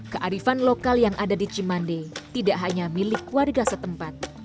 kearifan lokal yang ada di cimande tidak hanya milik warga setempat